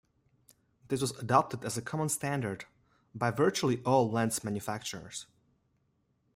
This was adopted as a common standard by virtually all lens manufacturers.